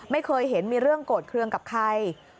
ไม่เคยเห็นมีเรื่องโกรธเครื่องกับใคร